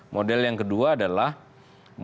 model yang kedua adalah